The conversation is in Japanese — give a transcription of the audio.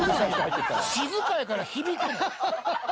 静かやから響く。